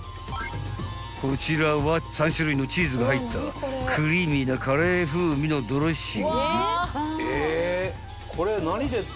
［こちらは３種類のチーズが入ったクリーミーなカレー風味のドレッシング］